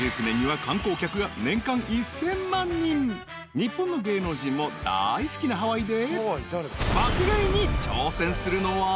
［日本の芸能人も大好きなハワイで］